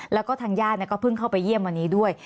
แล้วก็ทางญาติก็เพิ่งเข้าไปเยี่ยมวันนี้ด้วย